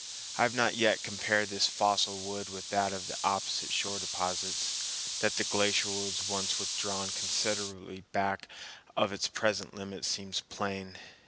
I have not yet compared this fossil wood with that of the opposite shore deposits. That the glacier was once withdrawn considerably back of its present limit seems plain.